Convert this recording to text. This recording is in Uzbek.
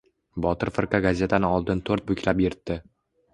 Botir firqa gazetani oldin to‘rt buklab yirtdi.